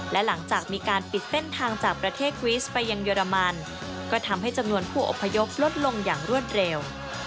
และหลังจากมีการปิดเส้นทางจากประเทศควิสไปยังเยอรมันก็ทำให้จำนวนผู้อพยพลดลงอย่างรวดเร็ว